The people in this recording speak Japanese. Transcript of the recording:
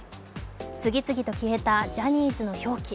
次々と消えたジャニーズの表記。